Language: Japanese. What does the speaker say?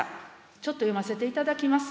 ちょっと読ませていただきます。